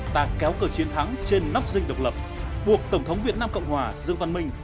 đã kéo cờ chiến thắng trên nắp rinh độc lập buộc tổng thống việt nam cộng hòa dương văn minh